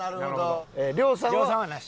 亮さんは「なし」？